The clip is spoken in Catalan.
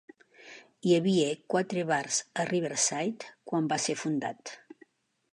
Hi havia quatre bars a Riverside quan va ser fundat.